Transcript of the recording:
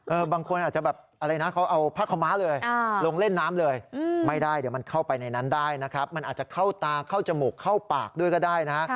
บางคนอาจจะแบบอะไรนะเขาเอาผ้าขม้าเลยลงเล่นน้ำเลยไม่ได้เดี๋ยวมันเข้าไปในนั้นได้นะครับมันอาจจะเข้าตาเข้าจมูกเข้าปากด้วยก็ได้นะฮะ